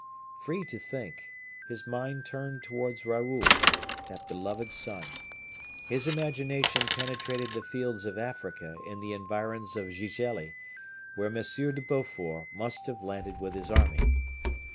Free to think, his mind turned towards Raoul, that beloved son. His imagination penetrated the fields of Africa in the environs of Gigelli, where M. de Beaufort must have landed with his army.